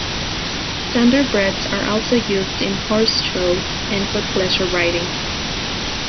Standardbreds are also used in horse shows and for pleasure riding.